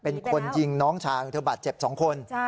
เป็นคนยิงน้องฉานที่เจ็บ๒คน